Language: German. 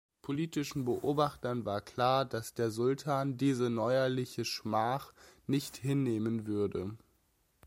Politischen Beobachtern war klar, dass der Sultan diese neuerliche Schmach nicht hinnehmen würde.